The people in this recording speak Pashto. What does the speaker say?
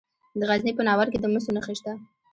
د غزني په ناور کې د مسو نښې شته.